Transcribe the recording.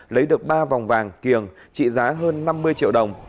lấy được ba vòng vàng kiềng trị giá hơn năm mươi triệu đồng